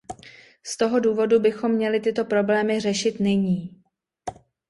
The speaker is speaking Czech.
Z toho důvodu bychom měli tyto problémy řešit nyní.